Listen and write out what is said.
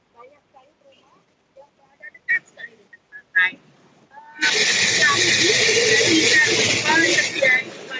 banyak sekali perumahan yang berada dekat sekali di pantai